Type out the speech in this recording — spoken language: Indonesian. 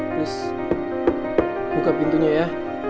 nus buka pintunya ya